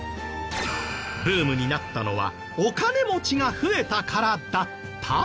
ブームになったのはお金持ちが増えたからだった？